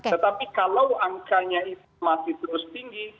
tetapi kalau angkanya itu masih terus tinggi